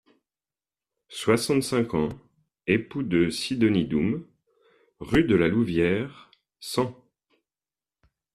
soixante-cinq ans, époux de Sidonie Doom, rue de la Louvière, cent.